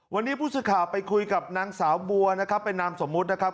วันนี้ผู้สื่อข่าวไปคุยกับนางสาวบัวนะครับเป็นนามสมมุตินะครับ